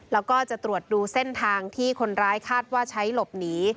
แล้วก็จะตรวจดูเส้นทางที่คนร้ายคาดว่าใช้หลบหนี